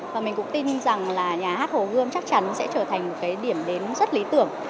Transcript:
và mình cũng tin rằng là nhà hát hồ gươm chắc chắn sẽ trở thành một cái điểm đến rất lý tưởng